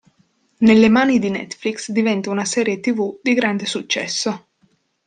Nelle mani di Netflix diventa una serie tv di grande successo.